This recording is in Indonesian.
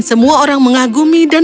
adalah hal yang aberkan